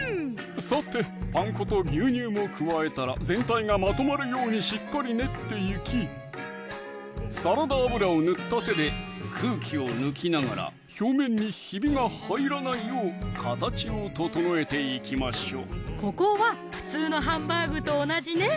さてパン粉と牛乳も加えたら全体がまとまるようにしっかり練っていきサラダ油を塗った手で空気を抜きながら表面にひびが入らないよう形を整えていきましょう